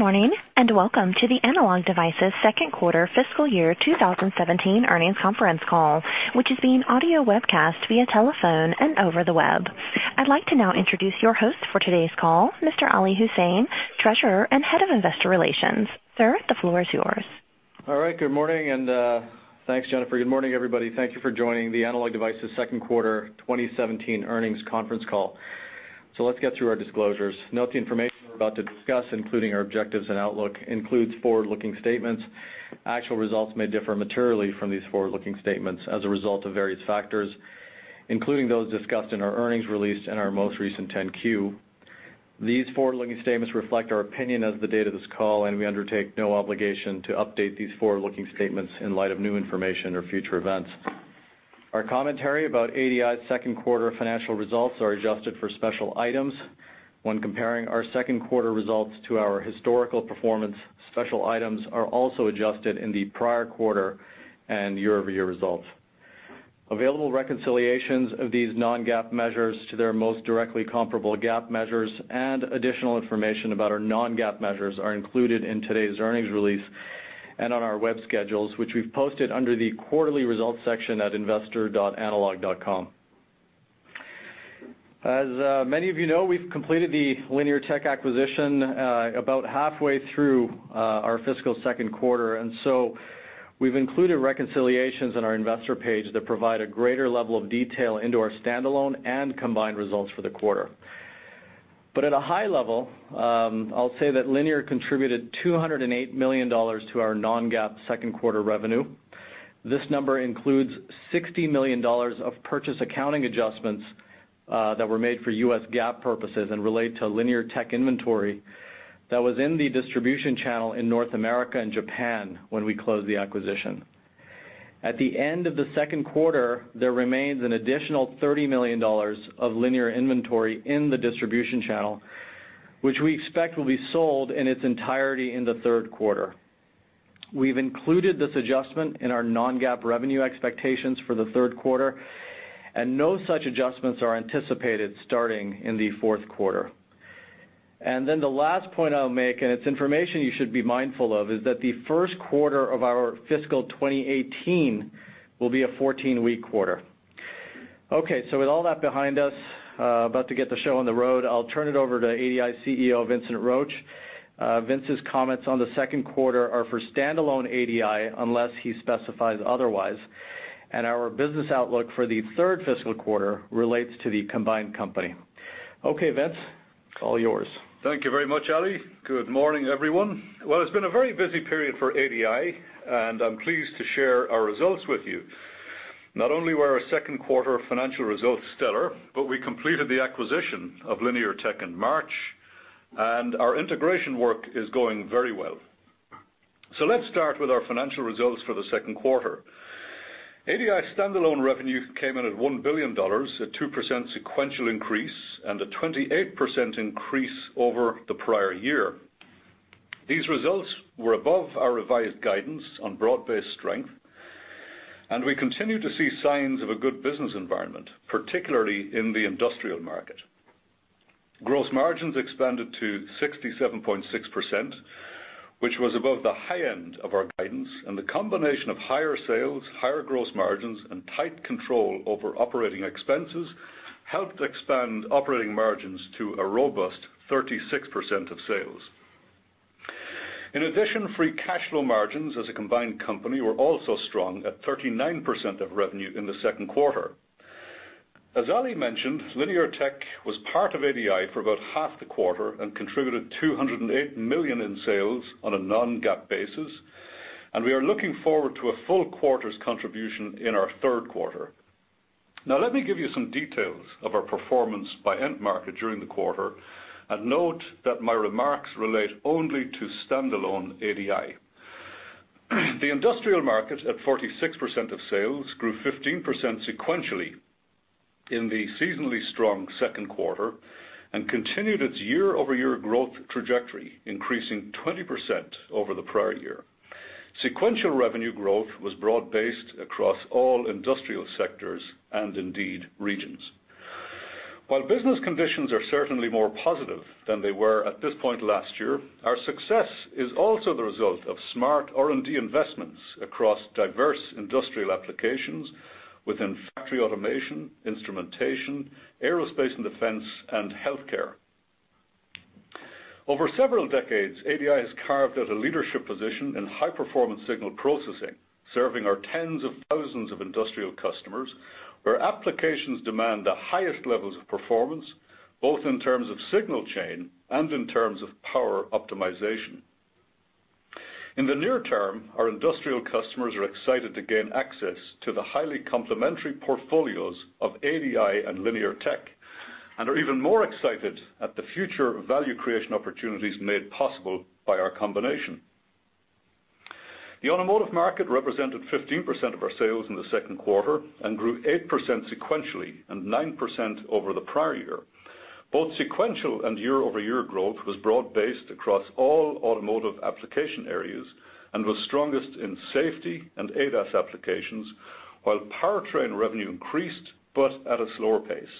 Good morning, welcome to the Analog Devices second quarter fiscal year 2017 earnings conference call, which is being audio webcast via telephone and over the web. I'd like to now introduce your host for today's call, Mr. Ali Husain, Treasurer and Head of Investor Relations. Sir, the floor is yours. All right. Good morning, thanks, Jennifer. Good morning, everybody. Thank you for joining the Analog Devices second quarter 2017 earnings conference call. Let's get through our disclosures. Note the information we're about to discuss, including our objectives and outlook, includes forward-looking statements. Actual results may differ materially from these forward-looking statements as a result of various factors, including those discussed in our earnings release and our most recent 10-Q. These forward-looking statements reflect our opinion as of the date of this call, we undertake no obligation to update these forward-looking statements in light of new information or future events. Our commentary about ADI's second quarter financial results are adjusted for special items. When comparing our second quarter results to our historical performance, special items are also adjusted in the prior quarter and year-over-year results. Available reconciliations of these non-GAAP measures to their most directly comparable GAAP measures and additional information about our non-GAAP measures are included in today's earnings release and on our web schedules, which we've posted under the Quarterly Results section at investor.analog.com. As many of you know, we've completed the Linear Tech acquisition about halfway through our fiscal second quarter, we've included reconciliations on our investor page that provide a greater level of detail into our standalone and combined results for the quarter. At a high level, I'll say that Linear contributed $208 million to our non-GAAP second quarter revenue. This number includes $60 million of purchase accounting adjustments that were made for U.S. GAAP purposes and relate to Linear Tech inventory that was in the distribution channel in North America and Japan when we closed the acquisition. At the end of the second quarter, there remains an additional $30 million of Linear inventory in the distribution channel, which we expect will be sold in its entirety in the third quarter. We've included this adjustment in our non-GAAP revenue expectations for the third quarter, no such adjustments are anticipated starting in the fourth quarter. The last point I'll make, and it's information you should be mindful of, is that the first quarter of our fiscal 2018 will be a 14-week quarter. With all that behind us, about to get the show on the road, I'll turn it over to ADI CEO, Vincent Roche. Vince's comments on the second quarter are for standalone ADI, unless he specifies otherwise, and our business outlook for the third fiscal quarter relates to the combined company. Vince, it's all yours. Thank you very much, Ali. Good morning, everyone. Well, it's been a very busy period for ADI. I'm pleased to share our results with you. Not only were our second quarter financial results stellar, we completed the acquisition of Linear Tech in March. Our integration work is going very well. Let's start with our financial results for the second quarter. ADI standalone revenue came in at $1 billion, a 2% sequential increase and a 28% increase over the prior year. These results were above our revised guidance on broad-based strength. We continue to see signs of a good business environment, particularly in the industrial market. Gross margins expanded to 67.6%, which was above the high end of our guidance. The combination of higher sales, higher gross margins, and tight control over operating expenses helped expand operating margins to a robust 36% of sales. In addition, free cash flow margins as a combined company were also strong at 39% of revenue in the second quarter. As Ali mentioned, Linear Tech was part of ADI for about half the quarter and contributed $208 million in sales on a non-GAAP basis. We are looking forward to a full quarter's contribution in our third quarter. Let me give you some details of our performance by end market during the quarter. Note that my remarks relate only to standalone ADI. The industrial market, at 46% of sales, grew 15% sequentially in the seasonally strong second quarter and continued its year-over-year growth trajectory, increasing 20% over the prior year. Sequential revenue growth was broad based across all industrial sectors and indeed regions. While business conditions are certainly more positive than they were at this point last year, our success is also the result of smart R&D investments across diverse industrial applications within factory automation, instrumentation, aerospace and defense, and healthcare. Over several decades, ADI has carved out a leadership position in high-performance signal processing, serving our tens of thousands of industrial customers, where applications demand the highest levels of performance, both in terms of signal chain and in terms of power optimization. In the near term, our industrial customers are excited to gain access to the highly complementary portfolios of ADI and Linear Tech. Are even more excited at the future value creation opportunities made possible by our combination. The automotive market represented 15% of our sales in the second quarter. Grew 8% sequentially and 9% over the prior year. Both sequential and year-over-year growth was broad based across all automotive application areas and was strongest in safety and ADAS applications, while powertrain revenue increased, at a slower pace.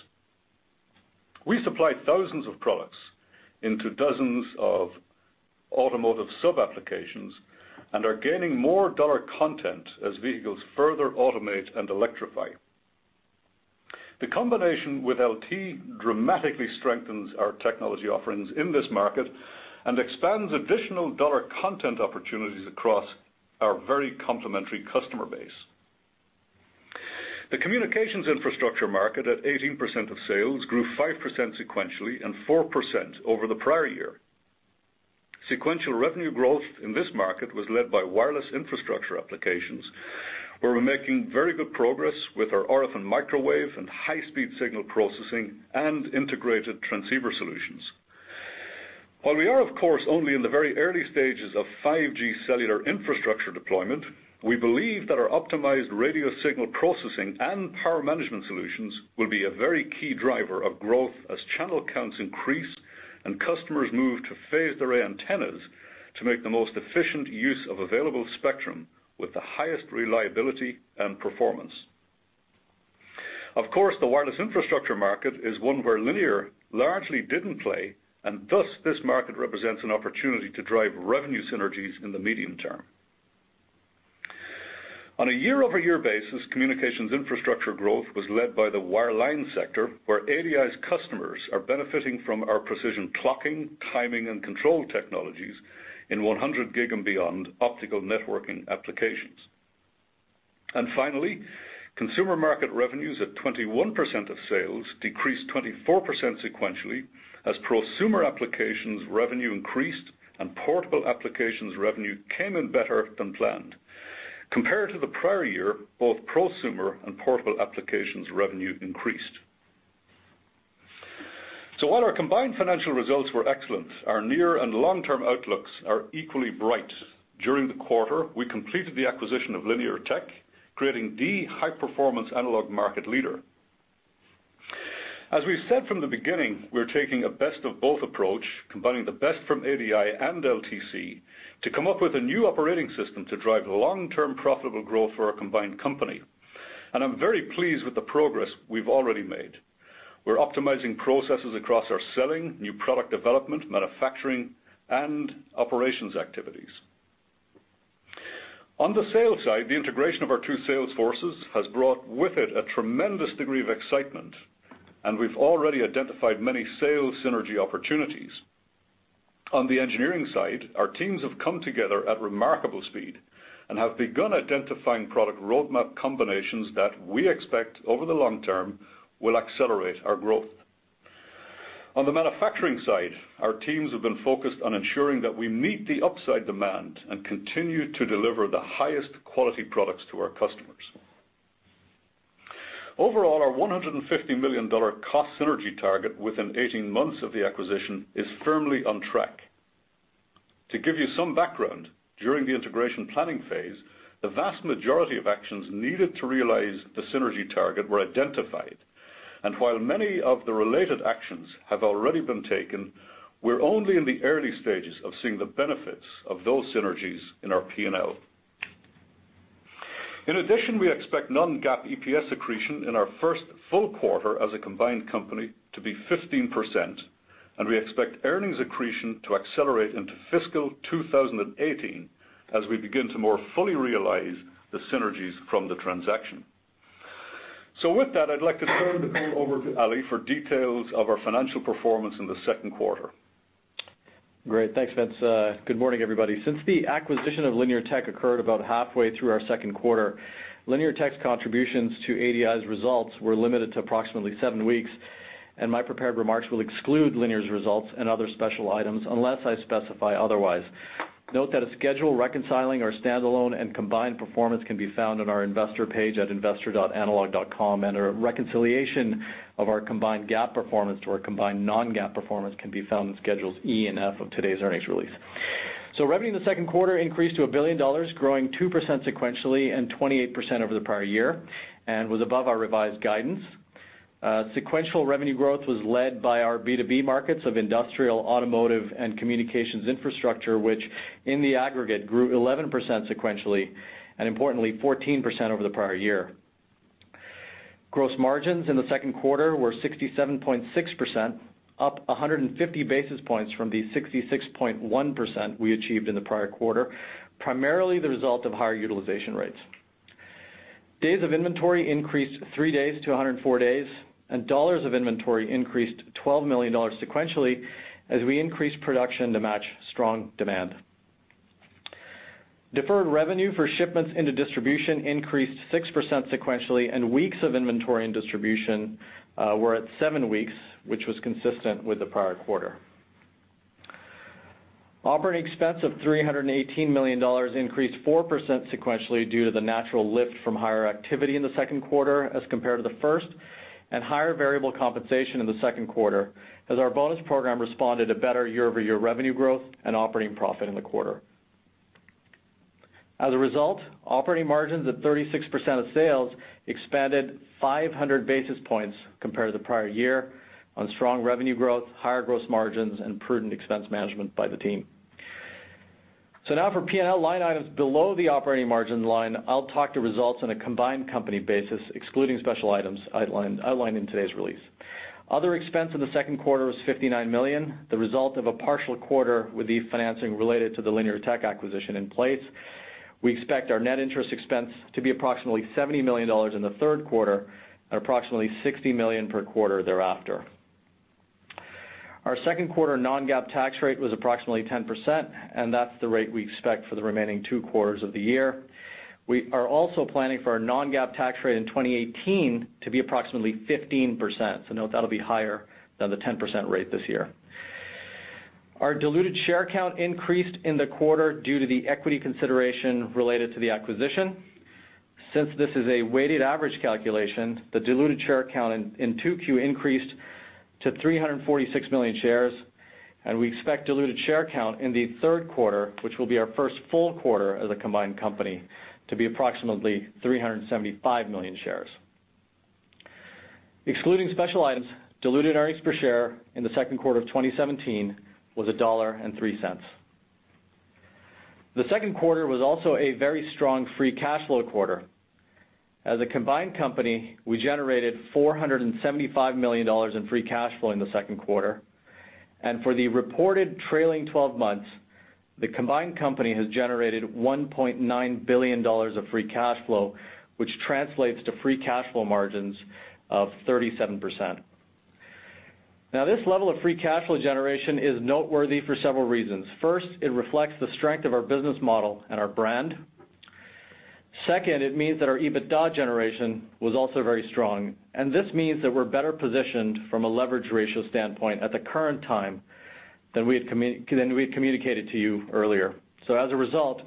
We supply thousands of products into dozens of automotive sub-applications. Are gaining more dollar content as vehicles further automate and electrify. The combination with LT dramatically strengthens our technology offerings in this market. Expands additional dollar content opportunities across our very complementary customer base. The communications infrastructure market, at 18% of sales, grew 5% sequentially and 4% over the prior year. Sequential revenue growth in this market was led by wireless infrastructure applications, where we're making very good progress with our RF and Microwave and high-speed signal processing and integrated transceiver solutions. While we are, of course, only in the very early stages of 5G cellular infrastructure deployment, we believe that our optimized radio signal processing and power management solutions will be a very key driver of growth as channel counts increase and customers move to phased array antennas to make the most efficient use of available spectrum with the highest reliability and performance. Of course, the wireless infrastructure market is one where Linear largely didn't play, thus, this market represents an opportunity to drive revenue synergies in the medium term. On a year-over-year basis, communications infrastructure growth was led by the wireline sector, where ADI's customers are benefiting from our precision clocking, timing, and control technologies in 100G and beyond optical networking applications. Finally, consumer market revenues at 21% of sales decreased 24% sequentially as prosumer applications revenue increased and portable applications revenue came in better than planned. Compared to the prior year, both prosumer and portable applications revenue increased. While our combined financial results were excellent, our near and long-term outlooks are equally bright. During the quarter, we completed the acquisition of Linear Tech, creating the high-performance analog market leader. As we've said from the beginning, we're taking a best of both approach, combining the best from ADI and LTC to come up with a new operating system to drive long-term profitable growth for our combined company. I'm very pleased with the progress we've already made. We're optimizing processes across our selling, new product development, manufacturing, and operations activities. On the sales side, the integration of our two sales forces has brought with it a tremendous degree of excitement, and we've already identified many sales synergy opportunities. On the engineering side, our teams have come together at remarkable speed and have begun identifying product roadmap combinations that we expect, over the long term, will accelerate our growth. On the manufacturing side, our teams have been focused on ensuring that we meet the upside demand and continue to deliver the highest quality products to our customers. Overall, our $150 million cost synergy target within 18 months of the acquisition is firmly on track. To give you some background, during the integration planning phase, the vast majority of actions needed to realize the synergy target were identified. While many of the related actions have already been taken, we're only in the early stages of seeing the benefits of those synergies in our P&L. In addition, we expect non-GAAP EPS accretion in our first full quarter as a combined company to be 15%, and we expect earnings accretion to accelerate into fiscal 2018 as we begin to more fully realize the synergies from the transaction. With that, I'd like to turn the call over to Ali for details of our financial performance in the second quarter. Great. Thanks, Vince. Good morning, everybody. Since the acquisition of Linear Tech occurred about halfway through our second quarter, Linear Tech's contributions to ADI's results were limited to approximately seven weeks. My prepared remarks will exclude Linear's results and other special items unless I specify otherwise. Note that a schedule reconciling our standalone and combined performance can be found on our investor page at investor.analog.com. A reconciliation of our combined GAAP performance to our combined non-GAAP performance can be found in schedules E and F of today's earnings release. Revenue in the second quarter increased to $1 billion, growing 2% sequentially and 28% over the prior year, and was above our revised guidance. Sequential revenue growth was led by our B2B markets of industrial, automotive, and communications infrastructure, which in the aggregate grew 11% sequentially. Importantly, 14% over the prior year. Gross margins in the second quarter were 67.6%, up 150 basis points from the 66.1% we achieved in the prior quarter, primarily the result of higher utilization rates. Days of inventory increased three days to 104 days. Dollars of inventory increased $12 million sequentially as we increased production to match strong demand. Deferred revenue for shipments into distribution increased 6% sequentially. Weeks of inventory and distribution were at seven weeks, which was consistent with the prior quarter. Operating expense of $318 million increased 4% sequentially due to the natural lift from higher activity in the second quarter as compared to the first and higher variable compensation in the second quarter as our bonus program responded to better year-over-year revenue growth and operating profit in the quarter. Operating margins at 36% of sales expanded 500 basis points compared to the prior year on strong revenue growth, higher gross margins, and prudent expense management by the team. Now for P&L line items below the operating margin line, I'll talk to results on a combined company basis, excluding special items outlined in today's release. Other expense in the second quarter was $59 million, the result of a partial quarter with the financing related to the Linear Tech acquisition in place. We expect our net interest expense to be approximately $70 million in the third quarter, at approximately $60 million per quarter thereafter. Our second quarter non-GAAP tax rate was approximately 10%. That's the rate we expect for the remaining two quarters of the year. We are also planning for our non-GAAP tax rate in 2018 to be approximately 15%. Note that'll be higher than the 10% rate this year. Our diluted share count increased in the quarter due to the equity consideration related to the acquisition. Since this is a weighted average calculation, the diluted share count in 2Q increased to 346 million shares. We expect diluted share count in the third quarter, which will be our first full quarter as a combined company, to be approximately 375 million shares. Excluding special items, diluted earnings per share in the second quarter of 2017 was $1.03. The second quarter was also a very strong free cash flow quarter. As a combined company, we generated $475 million in free cash flow in the second quarter. For the reported trailing 12 months, the combined company has generated $1.9 billion of free cash flow, which translates to free cash flow margins of 37%. This level of free cash flow generation is noteworthy for several reasons. First, it reflects the strength of our business model and our brand. Second, it means that our EBITDA generation was also very strong. This means that we're better positioned from a leverage ratio standpoint at the current time than we had communicated to you earlier. As a result,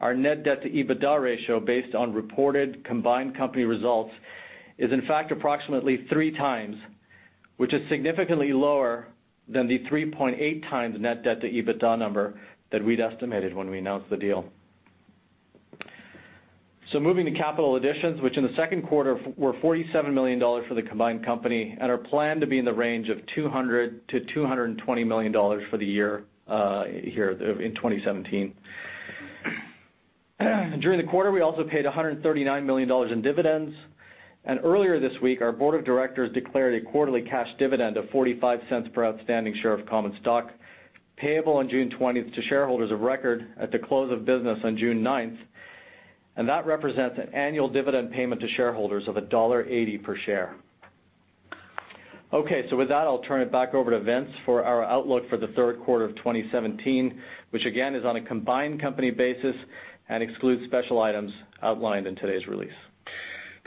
our net debt to EBITDA ratio, based on reported combined company results, is in fact approximately 3 times, which is significantly lower than the 3.8 times net debt to EBITDA number that we'd estimated when we announced the deal. Moving to capital additions, which in the second quarter were $47 million for the combined company and are planned to be in the range of $200 million-$220 million for the year here in 2017. During the quarter, we also paid $139 million in dividends. Earlier this week, our board of directors declared a quarterly cash dividend of $0.45 per outstanding share of common stock, payable on June 20th to shareholders of record at the close of business on June 9th. That represents an annual dividend payment to shareholders of $1.80 per share. With that, I'll turn it back over to Vince for our outlook for the third quarter of 2017, which again, is on a combined company basis and excludes special items outlined in today's release.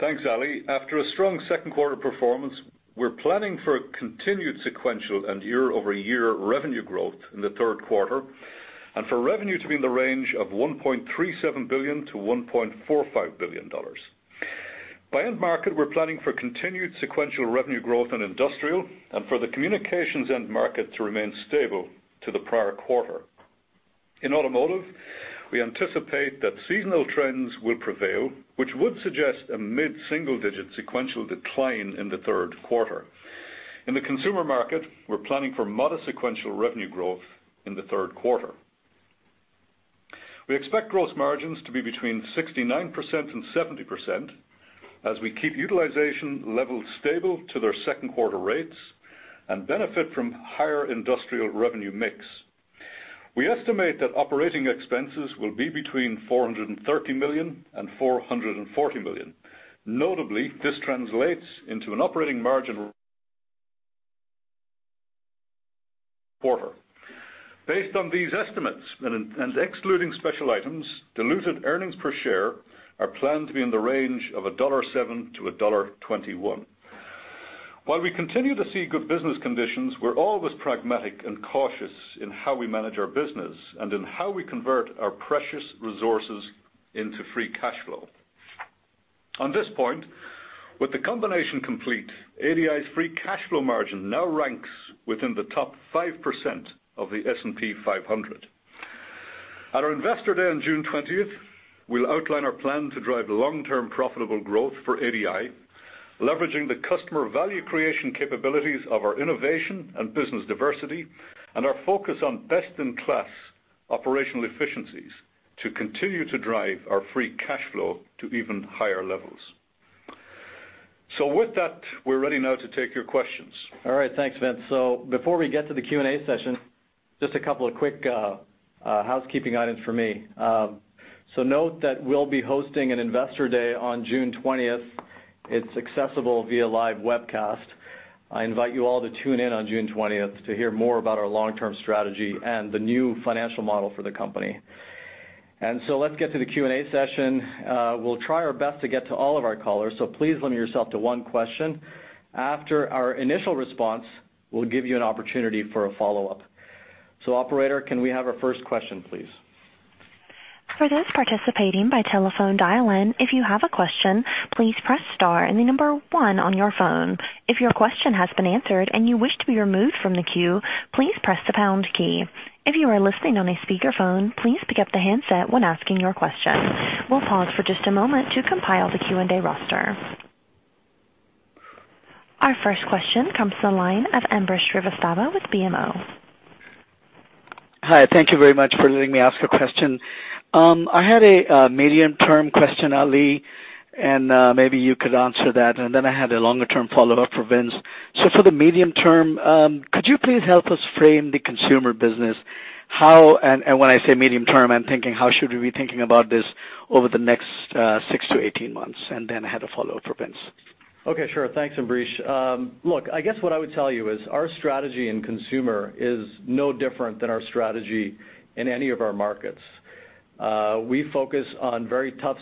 Thanks, Ali. After a strong second quarter performance, we're planning for a continued sequential and year-over-year revenue growth in the third quarter. For revenue to be in the range of $1.37 billion-$1.45 billion. By end market, we're planning for continued sequential revenue growth in industrial. For the communications end market to remain stable to the prior quarter. In automotive, we anticipate that seasonal trends will prevail, which would suggest a mid-single-digit sequential decline in the third quarter. In the consumer market, we're planning for modest sequential revenue growth in the third quarter. We expect gross margins to be between 69%-70% as we keep utilization levels stable to their second quarter rates and benefit from higher industrial revenue mix. We estimate that operating expenses will be between $430 million-$440 million. Notably, this translates into an operating margin quarter. Based on these estimates, excluding special items, diluted earnings per share are planned to be in the range of $1.07-$1.21. While we continue to see good business conditions, we're always pragmatic and cautious in how we manage our business and in how we convert our precious resources into free cash flow. On this point, with the combination complete, ADI's free cash flow margin now ranks within the top 5% of the S&P 500. At our Investor Day on June 20th, we'll outline our plan to drive long-term profitable growth for ADI, leveraging the customer value creation capabilities of our innovation and business diversity and our focus on best-in-class operational efficiencies to continue to drive our free cash flow to even higher levels. With that, we're ready now to take your questions. Thanks, Vince. Before we get to the Q&A session, just a couple of quick housekeeping items for me. Note that we'll be hosting an Investor Day on June 20th. It's accessible via live webcast. I invite you all to tune in on June 20th to hear more about our long-term strategy and the new financial model for the company. Let's get to the Q&A session. We'll try our best to get to all of our callers, so please limit yourself to one question. After our initial response, we'll give you an opportunity for a follow-up. Operator, can we have our first question, please? For those participating by telephone dial-in, if you have a question, please press star and the number one on your phone. If your question has been answered and you wish to be removed from the queue, please press the pound key. If you are listening on a speakerphone, please pick up the handset when asking your question. We'll pause for just a moment to compile the Q&A roster. Our first question comes to the line of Ambrish Srivastava with BMO. Hi. Thank you very much for letting me ask a question. I had a medium-term question, Ali, maybe you could answer that, then I had a longer-term follow-up for Vince. For the medium term, could you please help us frame the consumer business? When I say medium term, I'm thinking, how should we be thinking about this over the next 6 to 18 months? I had a follow-up for Vince. Okay, sure. Thanks, Ambrish. Look, I guess what I would tell you is our strategy in consumer is no different than our strategy in any of our markets. We focus on very tough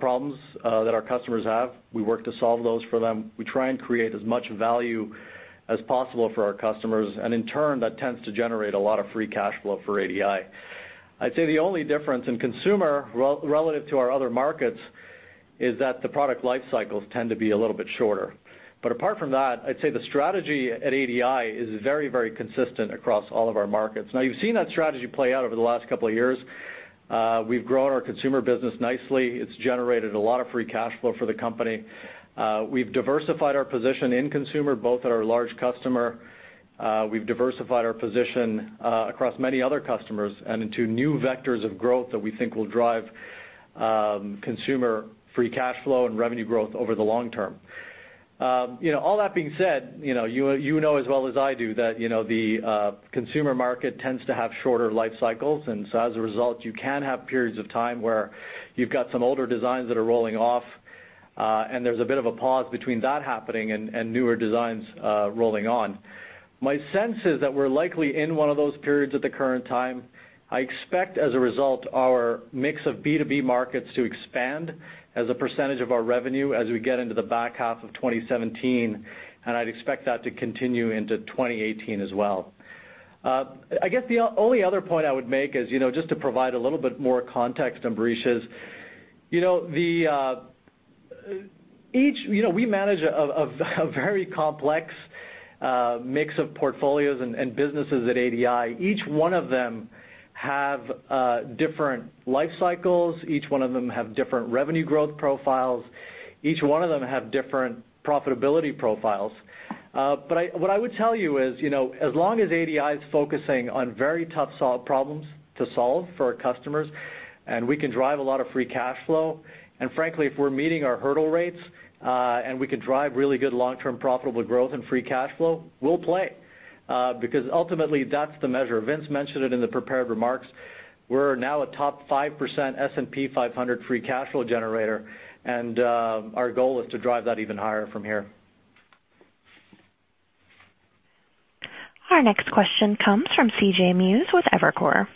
problems that our customers have. We work to solve those for them. We try and create as much value as possible for our customers, and in turn, that tends to generate a lot of free cash flow for ADI. I'd say the only difference in consumer relative to our other markets is that the product life cycles tend to be a little bit shorter. Apart from that, I'd say the strategy at ADI is very consistent across all of our markets. Now, you've seen that strategy play out over the last couple of years. We've grown our consumer business nicely. It's generated a lot of free cash flow for the company. We've diversified our position in consumer, both at our large customer. We've diversified our position across many other customers and into new vectors of growth that we think will drive consumer free cash flow and revenue growth over the long term. All that being said, you know as well as I do that the consumer market tends to have shorter life cycles, and so as a result, you can have periods of time where you've got some older designs that are rolling off, and there's a bit of a pause between that happening and newer designs rolling on. My sense is that we're likely in one of those periods at the current time. I expect, as a result, our mix of B2B markets to expand as a percentage of our revenue as we get into the back half of 2017, and I'd expect that to continue into 2018 as well. I guess the only other point I would make is, just to provide a little bit more context, Ambrish, is we manage a very complex mix of portfolios and businesses at ADI. Each one of them have different life cycles. Each one of them have different revenue growth profiles. Each one of them have different profitability profiles. What I would tell you is, as long as ADI is focusing on very tough problems to solve for our customers, and we can drive a lot of free cash flow, and frankly, if we're meeting our hurdle rates, and we can drive really good long-term profitable growth and free cash flow, we'll play, because ultimately, that's the measure. Vince mentioned it in the prepared remarks. We're now a top 5% S&P 500 free cash flow generator, and our goal is to drive that even higher from here. Our next question comes from C.J. Muse with Evercore.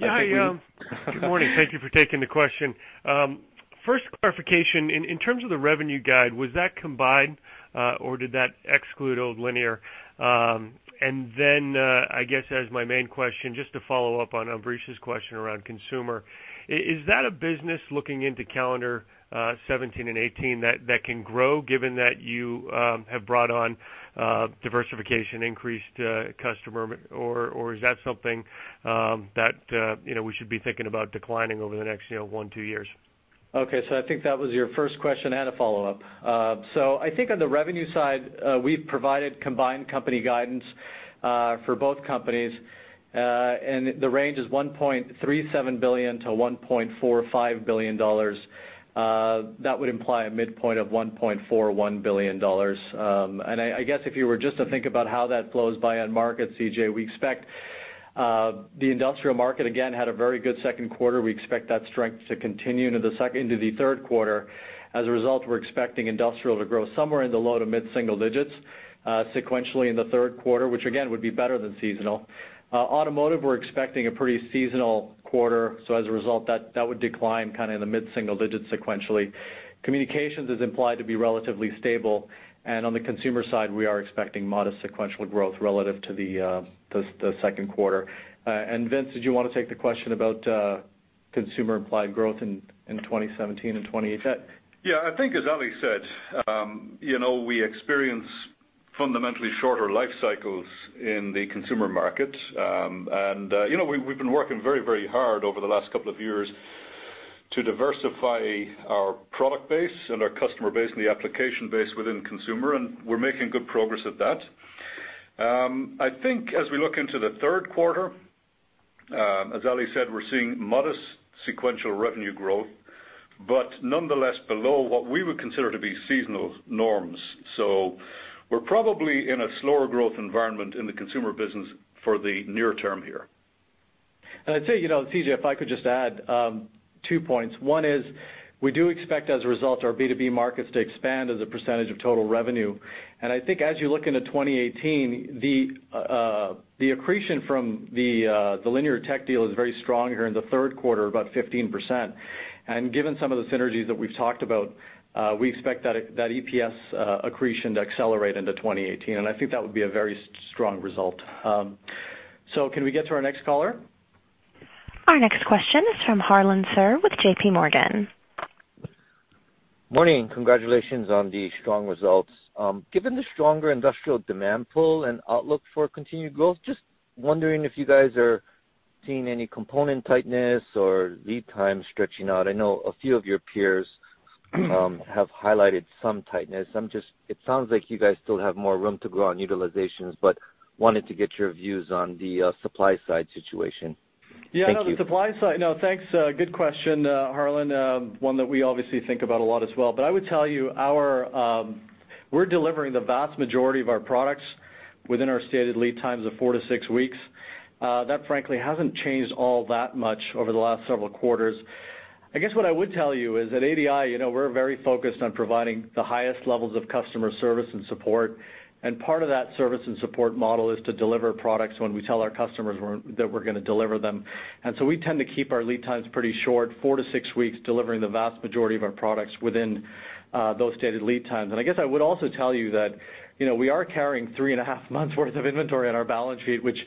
I think we- Yeah. Hi. Good morning. Thank you for taking the question. First clarification, in terms of the revenue guide, was that combined, or did that exclude old Linear? I guess as my main question, just to follow up on Ambrish's question around consumer, is that a business looking into calendar 2017 and 2018 that can grow given that you have brought on diversification, increased customer, or is that something that we should be thinking about declining over the next one, two years? I think that was your first question and a follow-up. I think on the revenue side, we've provided combined company guidance for both companies, and the range is $1.37 billion to $1.45 billion. That would imply a midpoint of $1.41 billion. I guess if you were just to think about how that flows by end market, C.J., we expect the industrial market, again, had a very good second quarter. We expect that strength to continue into the third quarter. As a result, we're expecting industrial to grow somewhere in the low to mid-single digits sequentially in the third quarter, which again, would be better than seasonal. Automotive, we're expecting a pretty seasonal quarter, as a result, that would decline in the mid-single digits sequentially. Communications is implied to be relatively stable. On the consumer side, we are expecting modest sequential growth relative to the second quarter. Vince, did you want to take the question about consumer implied growth in 2017 and 2018? Yeah, I think as Ali said, we experience fundamentally shorter life cycles in the consumer market. We've been working very hard over the last couple of years to diversify our product base and our customer base and the application base within consumer, and we're making good progress at that. I think as we look into the third quarter, as Ali said, we're seeing modest sequential revenue growth, but nonetheless below what we would consider to be seasonal norms. We're probably in a slower growth environment in the consumer business for the near term here. I'd say, C.J. Muse, if I could just add two points. One is we do expect, as a result, our B2B markets to expand as a percentage of total revenue. I think as you look into 2018, the accretion from the Linear Technology deal is very strong here in the third quarter, about 15%. Given some of the synergies that we've talked about, we expect that EPS accretion to accelerate into 2018, I think that would be a very strong result. Can we get to our next caller? Our next question is from Harlan Sur with JPMorgan. Morning. Congratulations on the strong results. Given the stronger industrial demand pool and outlook for continued growth, just wondering if you guys are seeing any component tightness or lead time stretching out? I know a few of your peers have highlighted some tightness. It sounds like you guys still have more room to grow on utilizations, wanted to get your views on the supply side situation. Thank you. Yeah, no, thanks. Good question, Harlan. One that we obviously think about a lot as well. I would tell you, we're delivering the vast majority of our products within our stated lead times of four to six weeks. That, frankly, hasn't changed all that much over the last several quarters. I guess what I would tell you is at ADI, we're very focused on providing the highest levels of customer service and support. Part of that service and support model is to deliver products when we tell our customers that we're going to deliver them. We tend to keep our lead times pretty short, four to six weeks, delivering the vast majority of our products within those stated lead times. I guess I would also tell you that we are carrying three and a half months worth of inventory on our balance sheet, which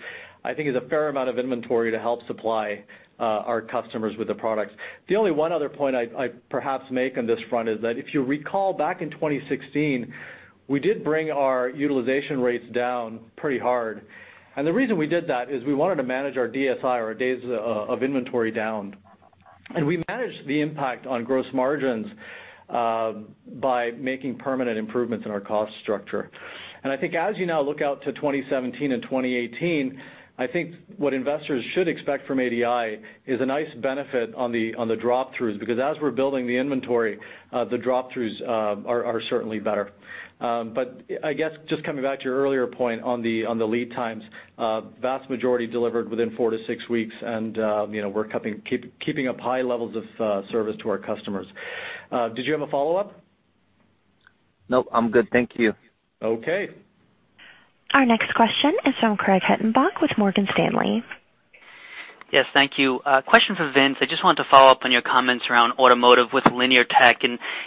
I think is a fair amount of inventory to help supply our customers with the products. The only one other point I'd perhaps make on this front is that if you recall back in 2016, we did bring our utilization rates down pretty hard. The reason we did that is we wanted to manage our DSI, our days of inventory, down. We managed the impact on gross margins by making permanent improvements in our cost structure. I think as you now look out to 2017 and 2018, I think what investors should expect from ADI is a nice benefit on the drop-throughs, because as we're building the inventory, the drop-throughs are certainly better. I guess just coming back to your earlier point on the lead times, vast majority delivered within four to six weeks, and we're keeping up high levels of service to our customers. Did you have a follow-up? Nope. I'm good. Thank you. Okay. Our next question is from Craig Hettenbach with Morgan Stanley. Yes, thank you. Question for Vincent. I just wanted to follow up on your comments around automotive with Linear Technology.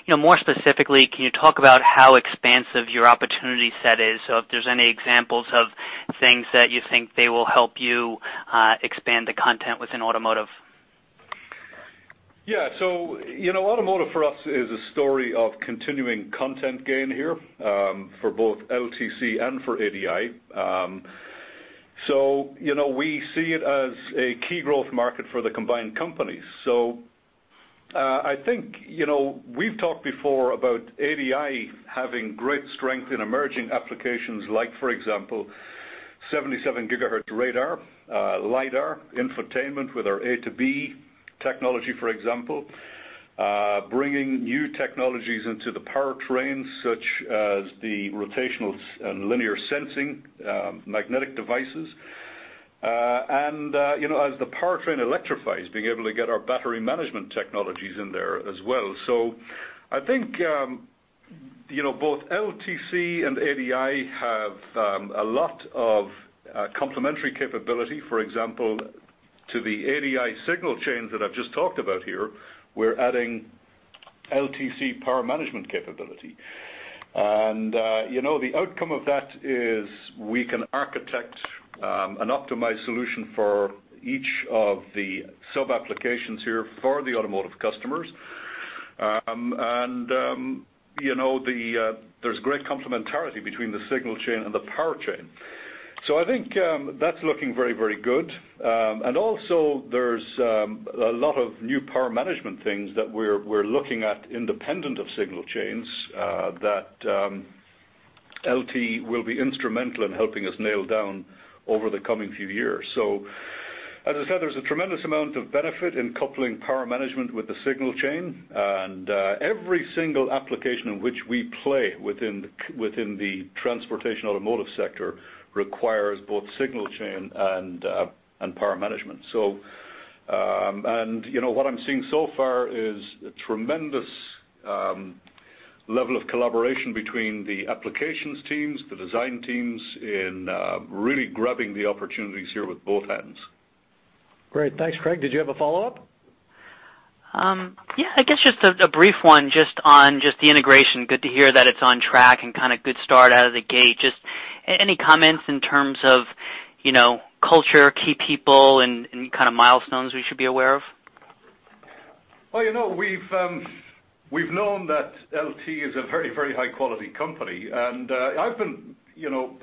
More specifically, can you talk about how expansive your opportunity set is? If there's any examples of things that you think they will help you expand the content within automotive. Yeah. Automotive for us is a story of continuing content gain here, for both LTC and for ADI. We see it as a key growth market for the combined companies. I think we've talked before about ADI having great strength in emerging applications like, for example, 77 GHz radar, LiDAR, infotainment with our A2B technology, for example, bringing new technologies into the powertrain, such as the rotational and linear sensing magnetic devices. As the powertrain electrifies, being able to get our battery management technologies in there as well. I think both LTC and ADI have a lot of complementary capability. For example, to the ADI signal chains that I've just talked about here, we're adding LTC power management capability. The outcome of that is we can architect an optimized solution for each of the sub-applications here for the automotive customers. There's great complementarity between the signal chain and the power chain. I think that's looking very, very good. Also there's a lot of new power management things that we're looking at independent of signal chains, that LT will be instrumental in helping us nail down over the coming few years. As I said, there's a tremendous amount of benefit in coupling power management with the signal chain. Every single application in which we play within the transportation automotive sector requires both signal chain and power management. What I'm seeing so far is a tremendous level of collaboration between the applications teams, the design teams in really grabbing the opportunities here with both hands. Great. Thanks, Craig, did you have a follow-up? Yeah, I guess just a brief one just on just the integration. Good to hear that it's on track and kind of good start out of the gate. Just any comments in terms of culture, key people, and any kind of milestones we should be aware of? Well, we've known that LT is a very high-quality company, and I've been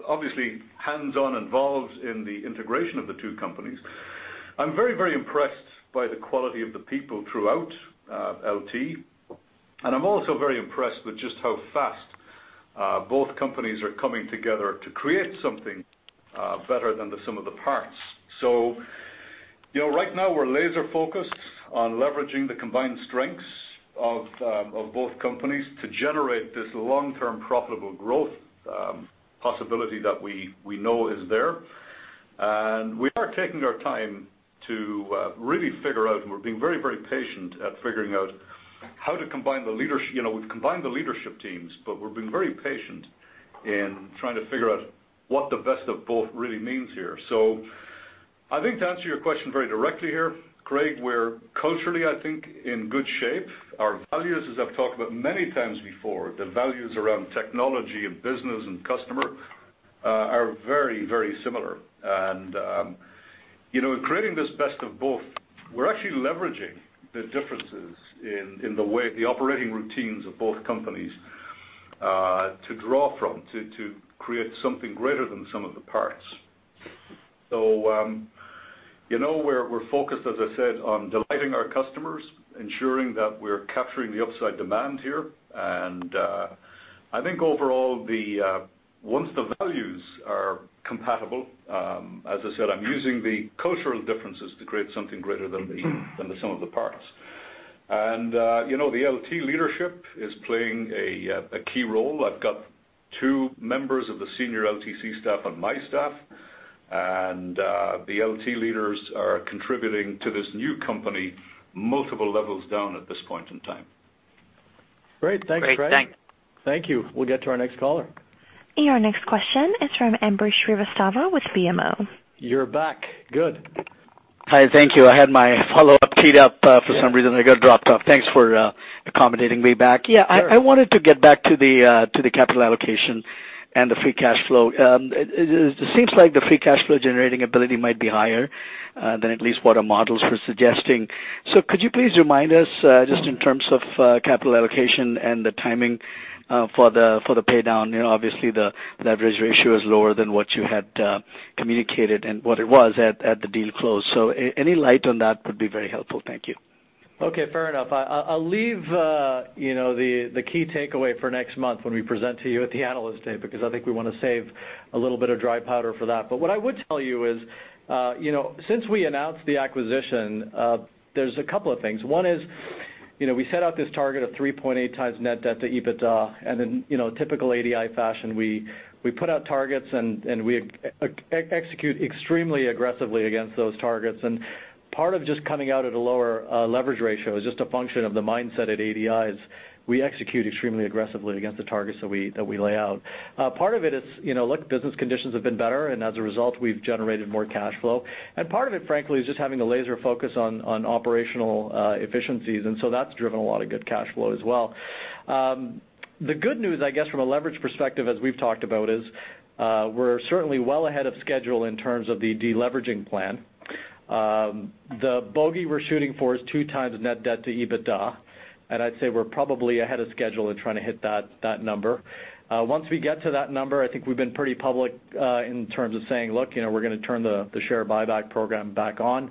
obviously hands-on involved in the integration of the two companies. I'm very impressed by the quality of the people throughout LT, and I'm also very impressed with just how fast both companies are coming together to create something better than the sum of the parts. Right now we're laser-focused on leveraging the combined strengths of both companies to generate this long-term profitable growth possibility that we know is there. We are taking our time to really figure out, and we're being very patient at figuring out how to combine the leadership teams, but we're being very patient in trying to figure out what the best of both really means here. I think to answer your question very directly here, Craig, we're culturally, I think, in good shape. Our values, as I've talked about many times before, the values around technology and business and customer are very similar. In creating this best of both, we're actually leveraging the differences in the operating routines of both companies To draw from, to create something greater than the sum of the parts. We're focused, as I said, on delighting our customers, ensuring that we're capturing the upside demand here. I think overall, once the values are compatible, as I said, I'm using the cultural differences to create something greater than the sum of the parts. The LT leadership is playing a key role. I've got two members of the senior LTC staff on my staff, and the LT leaders are contributing to this new company multiple levels down at this point in time. Great. Thanks, Craig. Great. Thanks. Thank you. We'll get to our next caller. Your next question is from Ambrish Srivastava with BMO. You're back. Good. Hi. Thank you. I had my follow-up keyed up. For some reason, I got dropped off. Thanks for accommodating me back. Sure. Yeah. I wanted to get back to the capital allocation and the free cash flow. It seems like the free cash flow generating ability might be higher than at least what our models were suggesting. Could you please remind us, just in terms of capital allocation and the timing for the pay down? Obviously, the leverage ratio is lower than what you had communicated and what it was at the deal close. Any light on that would be very helpful. Thank you. Okay, fair enough. I'll leave the key takeaway for next month when we present to you at the Analyst Day, because I think we want to save a little bit of dry powder for that. What I would tell you is, since we announced the acquisition, there's a couple of things. One is, we set out this target of 3.8 times net debt to EBITDA, and in typical ADI fashion, we put out targets and we execute extremely aggressively against those targets. Part of just coming out at a lower leverage ratio is just a function of the mindset at ADI is, we execute extremely aggressively against the targets that we lay out. Part of it is, look, business conditions have been better, and as a result, we've generated more cash flow. Part of it, frankly, is just having a laser focus on operational efficiencies. That's driven a lot of good cash flow as well. The good news, I guess, from a leverage perspective, as we've talked about, is we're certainly well ahead of schedule in terms of the deleveraging plan. The bogey we're shooting for is two times net debt to EBITDA, and I'd say we're probably ahead of schedule in trying to hit that number. Once we get to that number, I think we've been pretty public in terms of saying, look, we're going to turn the share buyback program back on.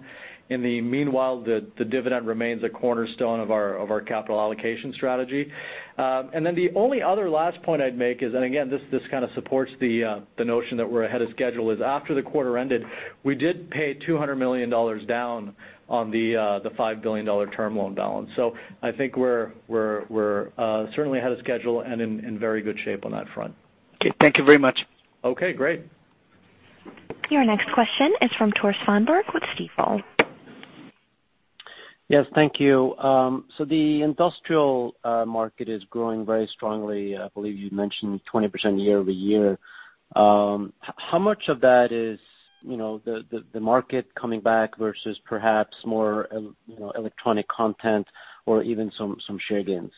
In the meanwhile, the dividend remains a cornerstone of our capital allocation strategy. The only other last point I'd make is, and again, this kind of supports the notion that we're ahead of schedule, is after the quarter ended, we did pay $200 million down on the $5 billion term loan balance. I think we're certainly ahead of schedule and in very good shape on that front. Okay. Thank you very much. Okay, great. Your next question is from Tore Svanberg with Stifel. Yes. Thank you. The industrial market is growing very strongly. I believe you mentioned 20% year-over-year. How much of that is the market coming back versus perhaps more electronic content or even some share gains?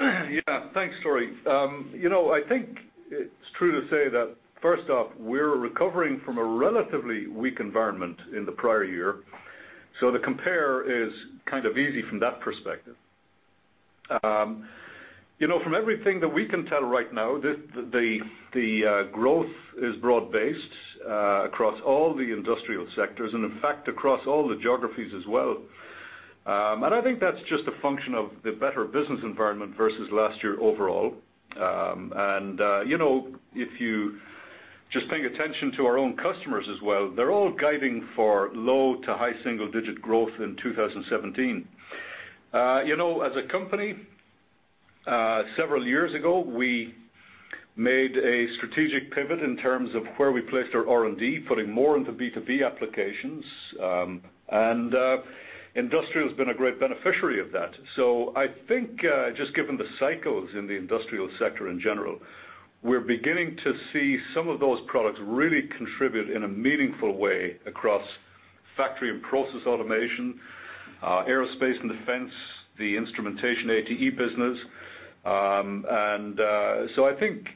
Yeah. Thanks, Tore. I think it's true to say that first off, we're recovering from a relatively weak environment in the prior year. The compare is kind of easy from that perspective. From everything that we can tell right now, the growth is broad based across all the industrial sectors and in fact, across all the geographies as well. I think that's just a function of the better business environment versus last year overall. If you just paying attention to our own customers as well, they're all guiding for low to high single digit growth in 2017. As a company, several years ago, we made a strategic pivot in terms of where we placed our R&D, putting more into B2B applications, and industrial's been a great beneficiary of that. I think just given the cycles in the industrial sector in general, we're beginning to see some of those products really contribute in a meaningful way across factory and process automation, aerospace and defense, the instrumentation ATE business. I think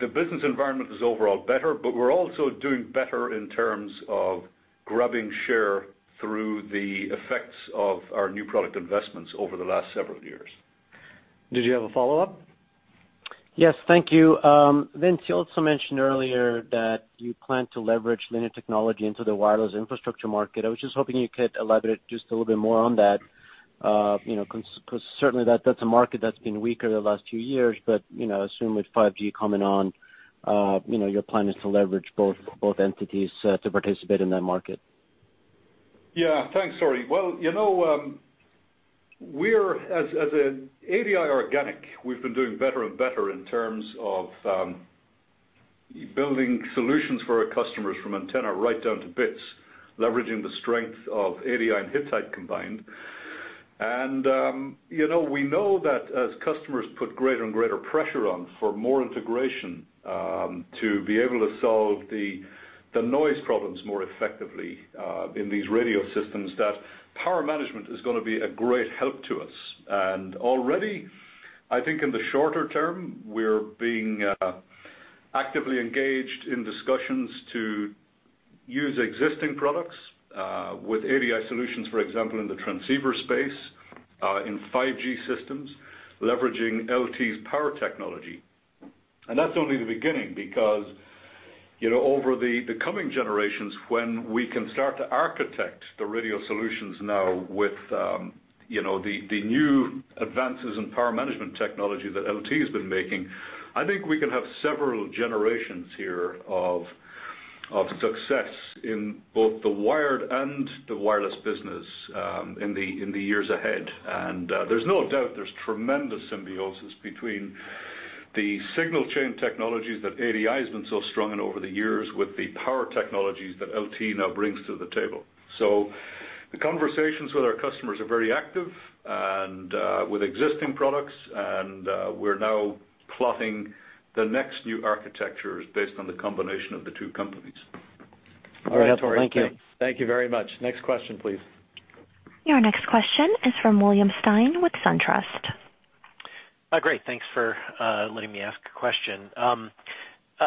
the business environment is overall better, but we're also doing better in terms of grabbing share through the effects of our new product investments over the last several years. Did you have a follow-up? Yes. Thank you. Vince, you also mentioned earlier that you plan to leverage Linear Technology into the wireless infrastructure market. I was just hoping you could elaborate just a little bit more on that, because certainly that's a market that's been weaker the last few years. I assume with 5G coming on, your plan is to leverage both entities to participate in that market. Yeah. Thanks, Tore. Well, as ADI organic, we've been doing better and better in terms of building solutions for our customers from antenna right down to bits, leveraging the strength of ADI and Hittite combined. We know that as customers put greater and greater pressure on for more integration to be able to solve the noise problems more effectively in these radio systems, that power management is going to be a great help to us. Already, I think in the shorter term, we're being actively engaged in discussions to use existing products with ADI solutions, for example, in the transceiver space, in 5G systems, leveraging LT's power technology. That's only the beginning because over the coming generations, when we can start to architect the radio solutions now with the new advances in power management technology that LT has been making, I think we can have several generations here of success in both the wired and the wireless business in the years ahead. There's no doubt there's tremendous symbiosis between the signal chain technologies that ADI's been so strong in over the years with the power technologies that LT now brings to the table. The conversations with our customers are very active and with existing products, and we're now plotting the next new architectures based on the combination of the two companies. All right, Tore. Thank you. Thank you very much. Next question, please. Your next question is from William Stein with SunTrust. Great. Thanks for letting me ask a question.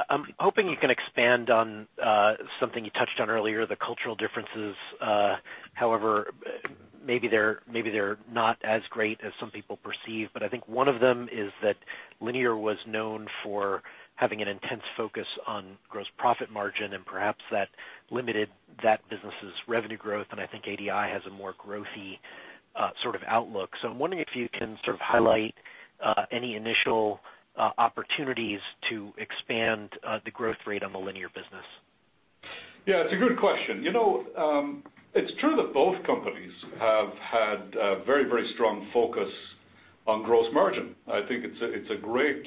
I'm hoping you can expand on something you touched on earlier, the cultural differences. Maybe they're not as great as some people perceive, but I think one of them is that Linear was known for having an intense focus on gross profit margin, and perhaps that limited that business's revenue growth, and I think ADI has a more growthy sort of outlook. I'm wondering if you can sort of highlight any initial opportunities to expand the growth rate on the Linear business. Yeah. It's a good question. It's true that both companies have had a very strong focus on gross margin. I think it's a great